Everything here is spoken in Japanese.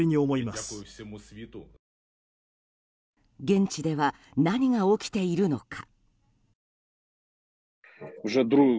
現地では何が起きているのか。